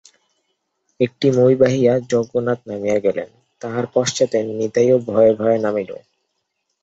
একটি মই বাহিয়া যজ্ঞনাথ নামিয়া গেলেন, তাঁহার পশ্চাতে নিতাইও ভয়ে ভয়ে নামিল।